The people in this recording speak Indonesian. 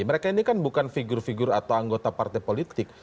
mereka ini kan bukan figur figur atau anggota partai politik